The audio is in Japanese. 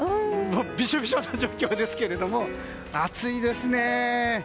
びしょびしょな状況ですが暑いですね。